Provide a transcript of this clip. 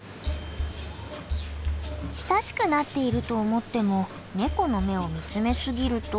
親しくなっていると思ってもネコの目を見つめ過ぎると。